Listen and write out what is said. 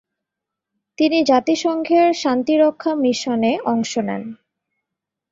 তিনি জাতিসংঘের শান্তিরক্ষা মিশনে অংশ নেন।